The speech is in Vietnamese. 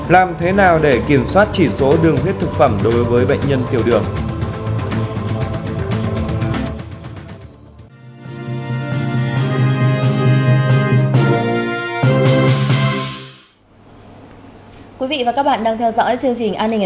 làm thế nào để kiểm soát chỉ số đường huyết thực phẩm đối với bệnh nhân tiểu đường